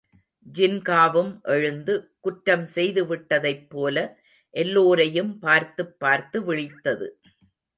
ஜின்காவும் எழுந்து, குற்றம் செய்துவிட்டதைப் போல எல்லாரையும் பார்த்துப் பார்த்து விழித்தது.